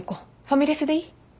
ファミレスでいい？